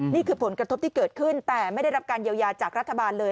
นี่คือผลกระทบที่เกิดขึ้นแต่ไม่ได้รับการเยียวยาจากรัฐบาลเลย